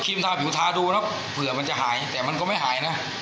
ครีมทาผิวทาดูนะครับเผื่อมันจะหายแต่มันก็ไม่หายนะ